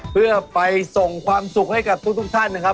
เพื่อไปส่งความสุขให้กับทุกท่านนะครับ